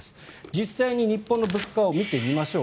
実際に日本の物価を見てみましょう。